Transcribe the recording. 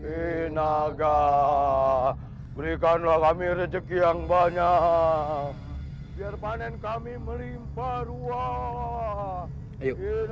inaga berikanlah kami rejeki yang banyak biar panen kami melimpa ruang